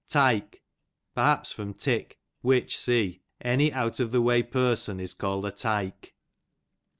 Tike, perhaps from tick, which see, any out of the ivay person is called a tike.